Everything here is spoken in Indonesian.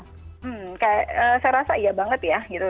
saya rasa iya banget ya gitu